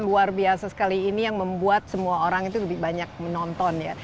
luar biasa sekali ini yang membuat semua orang itu lebih banyak menonton ya